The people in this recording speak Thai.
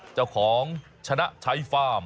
เจ้าของชนะใช้ฟาร์ม